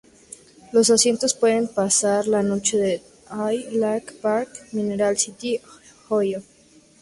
Los asistentes pueden pasar la noche en Atwood Lake Park en Mineral City, Ohio.